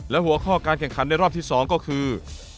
แล้วหัวข้อการแข่งขันรอบที่สองก็คือ